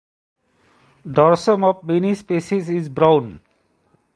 Dorsum of many species is brown.